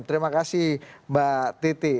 terima kasih mbak titi